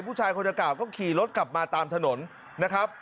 ผู้ชายคนเก่าก็ขี่รถกลับมาตามถนนนะครับ